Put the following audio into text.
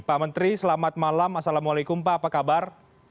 pak menteri selamat malam assalamualaikum pak apa kabar